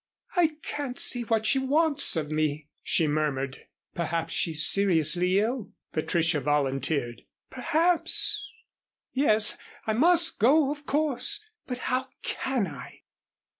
"I can't see what she wants of me," she murmured. "Perhaps she's seriously ill," Patricia volunteered. "Perhaps yes, I must go, of course. But how can I?"